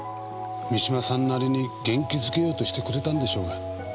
三島さんなりに元気付けようとしてくれたんでしょうが。